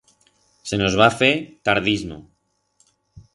Se nos va fer tardismo.